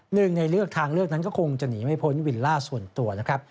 หนึ่งในเลือกทางเลือกนั้นก็คงจะหนีไม่พ้นวิลล่าส่วนตัวนะครับ